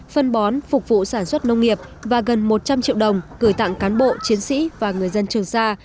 phân bón phục vụ sản xuất nông nghiệp và gần một trăm linh triệu đồng gửi tặng cán bộ chiến sĩ và người dân trường sa